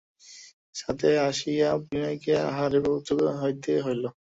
ছাতে আসিয়া বিনয়কে আহারে প্রবৃত্ত হইতে হইল।